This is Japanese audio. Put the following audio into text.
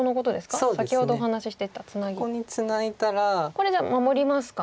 これじゃあ守りますか。